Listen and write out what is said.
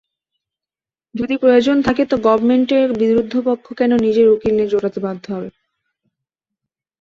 যদি প্রয়োজন থাকে তো গবর্মেন্টের বিরুদ্ধপক্ষ কেন নিজের উকিল নিজে জোটাতে বাধ্য হবে?